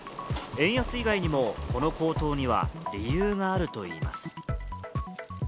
円安以外にもこの高騰には理由があるといいます。